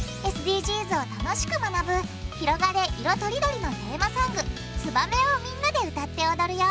ＳＤＧｓを楽しく学ぶ「ひろがれ！いろとりどり」のテーマソング「ツバメ」をみんなで歌って踊るよ！